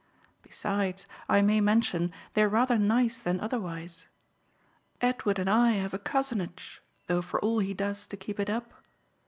Besides, I may mention, they're rather nice than otherwise. Edward and I have a cousinage, though for all he does to keep it up